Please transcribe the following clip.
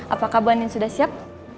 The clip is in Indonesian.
apakah bu andin sudah siap